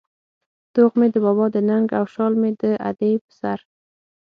توغ مې د بابا د ننگ او شال مې د ادې په سر